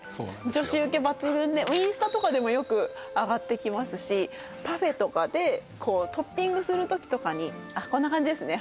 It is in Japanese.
女子ウケ抜群でインスタとかでもよくあがってきますしパフェとかでこうトッピングする時とかにこんな感じですね